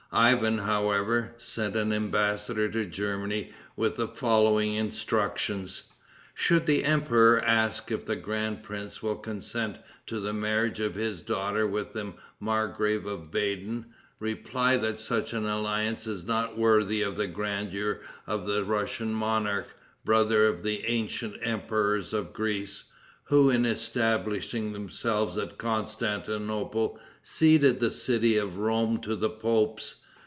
Ivan, however, sent an embassador to Germany with the following instructions: "Should the emperor ask if the grand prince will consent to the marriage of his daughter with the margrave of Baden, reply that such an alliance is not worthy of the grandeur of the Russian monarch, brother of the ancient emperors of Greece, who, in establishing themselves at Constantinople, ceded the city of Rome to the popes.